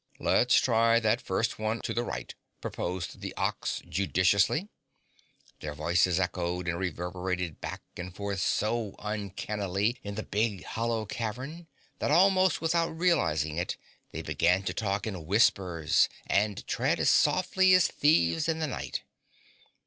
"Let's try that first one to the right," proposed the Ox judiciously. Their voices echoed and reverberated back and forth so uncannily in the big hollow cavern that almost without realizing it they began to talk in whispers and tread as softly as thieves in the night.